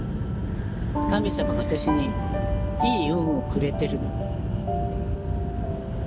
神様が私にいい運をくれてるの。